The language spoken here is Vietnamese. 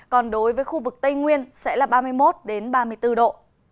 còn đối với khu vực tây nguyên sẽ là ba mươi một ba mươi bốn độ